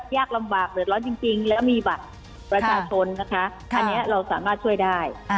ยากลำบากเดือดร้อนจริงแล้วมีบัตรประชาชนนะคะอันนี้เราสามารถช่วยได้